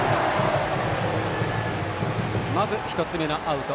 まず１つ目のアウト。